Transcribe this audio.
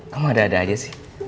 kamu ada ada aja sih